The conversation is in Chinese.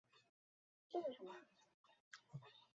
喜欢每天在电视机前模仿角色进行表演。